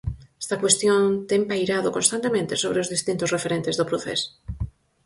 Esta cuestión ten pairado constantemente sobre os distintos referentes do procés.